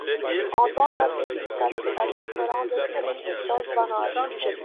En tant qu'adjectif qualificatif, courant désigne une chose banale.